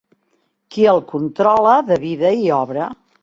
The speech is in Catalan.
Qui el controla de vida i obra.